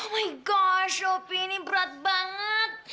oh my gosh opi ini berat banget